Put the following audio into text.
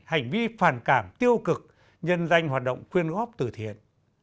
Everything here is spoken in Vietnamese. hành vi phản cảm tiêu cực nhân danh hoạt động quyên góp từ thiện